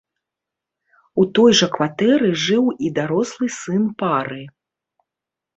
У той жа кватэры жыў і дарослы сын пары.